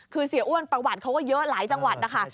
คือเสียอ้วนประวัติเขาก็เยอะหลายจังหวัดนะคะ